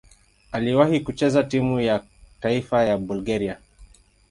Aliwahi kucheza timu ya taifa ya Bulgaria.